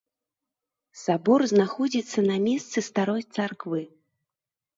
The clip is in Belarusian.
Сабор знаходзіцца на месцы старой царквы.